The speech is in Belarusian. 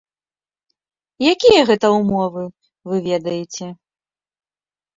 Якія гэта ўмовы, вы ведаеце.